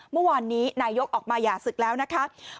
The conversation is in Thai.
เมื่อวานนี้นายกออกมาหย่าศึกแล้วนะคะ